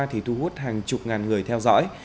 thì thu hút hàng chục ngàn người theo dõi